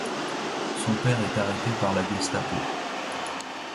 Son père est arrêté par la Gestapo.